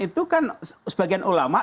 itu kan sebagian ulama